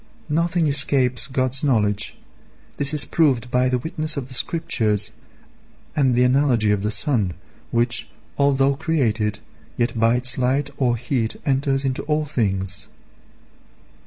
Nothing escapes God's knowledge. This is proved by the witness of the Scriptures and the analogy of the sun, which, although created, yet by its light or heat enters into all things.